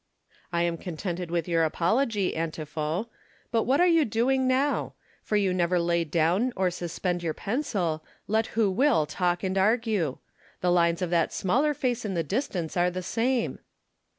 " I am contented with your apology, Antipho ; but what are you doing now 1 for you never lay down or suspend your pencil, let who will talk and argue. The lines of that smaller face in the distance are the same."